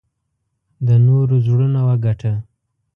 د نورو زړونه وګټه .